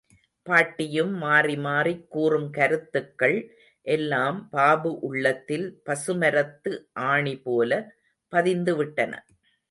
பாட்டியும் மாறி மாறிக் கூறும் கருத்துக்கள் எல்லாம் பாபு உள்ளத்தில் பசுமரத்து ஆணிபோல பதிந்து விட்டன.